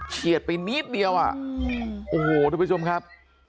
เฉียดไปนิดเดียวอ่ะโอ้โหทุกผู้ชมครับ